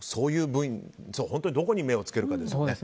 本当にどこに目をつけるかですね。